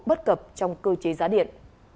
bất cập trong cơ chế giá điện